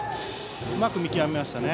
うまく見極めましたね。